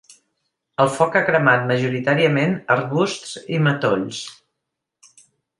El foc ha cremat majoritàriament arbusts i matolls.